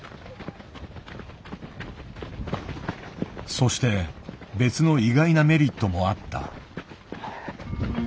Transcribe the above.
そして別の意外なメリットもあった。